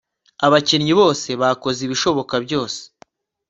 abakinnyi bose bakoze ibishoboka byose